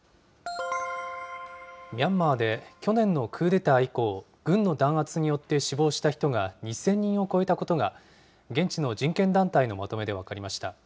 ミャンマーで、去年のクーデター以降、軍の弾圧によって死亡した人が２０００人を超えたことが、現地の人権団体のまとめで分かりました。